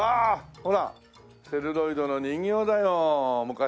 ほらセルロイドの人形だよ昔の。